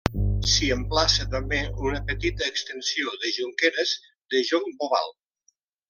S’hi emplaça també una petita extensió de jonqueres de jonc boval.